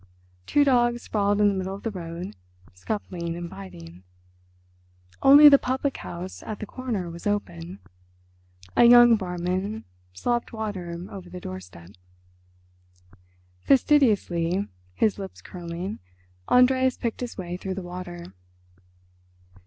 Two dogs sprawled in the middle of the road, scuffling and biting. Only the public house at the corner was open; a young barman slopped water over the doorstep. Fastidiously, his lips curling, Andreas picked his way through the water.